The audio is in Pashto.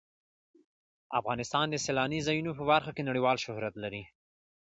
افغانستان د سیلانی ځایونه په برخه کې نړیوال شهرت لري.